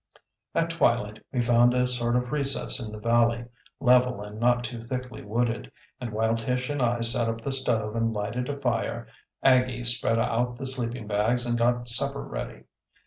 At twilight we found a sort of recess in the valley, level and not too thickly wooded, and while Tish and I set up the stove and lighted a fire Aggie spread out the sleeping bags and got supper ready.